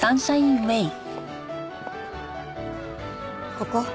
ここ？